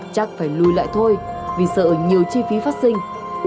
chắc phải lùi lại thôi vì sợ nhiều chi phí phát sinh